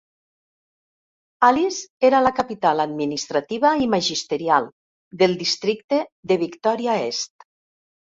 Alice era la capital administrativa i magisterial del districte de Victoria East.